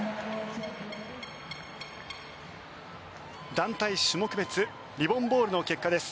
団体種目別リボン・ボールの結果です。